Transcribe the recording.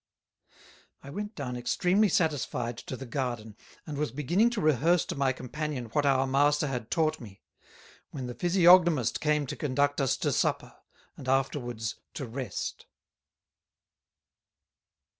I went down extreamly satisfyed to the Garden, and was beginning to rehearse to my Companion what our Master had taught me; when the Physiognomist came to conduct us to Supper, and afterwards to Rest.